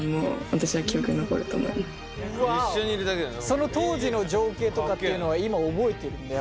その当時の情景とかっていうのは今覚えてるんだ？